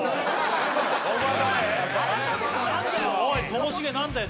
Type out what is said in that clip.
そうですおいともしげ何だよ